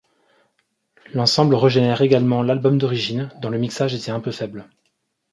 L'ensemble regénère également l'album d'origine, dont le mixage était un peu faible.